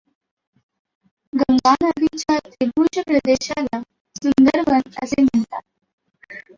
गंगा नदीच्या त्रिभुज प्रदेशाला सुंदरवन असे म्हणतात.